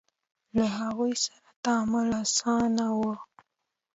له هغوی سره تعامل اسانه و.